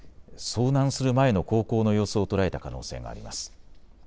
遭難する前の航行の様子を捉えた可能性があります。